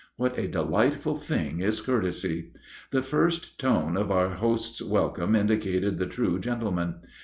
What a delightful thing is courtesy! The first tone of our host's welcome indicated the true gentleman.